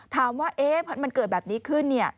ถามว่ามันเกิดแบบนี้ขึ้นเนี่ย